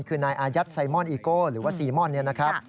คือนายอายัดไซมอนอีโก้หรือว่าซีม่อนเนี่ยนะครับ